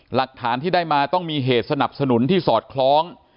หลักฐานที่ได้มาต้องมีเหตุสนับสนุนที่สอดคล้อง